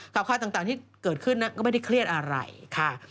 ค่ายต่างที่เกิดขึ้นนะก็ไม่ได้เครียดอะไรค่ะ